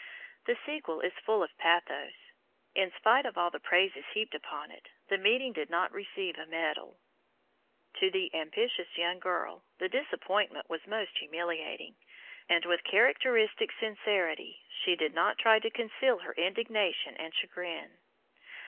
The sequel is full of pathos. In spite of all the praises heaped upon it, The Meeting did not receive a medal. To the ambitious young girl the disappointment was most humiliating, and with characteristic sincerity she did not try to conceal her indignation and chagrin.